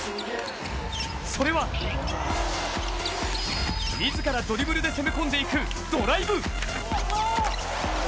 それは、自らドリブルで攻め込んでいくドライブ。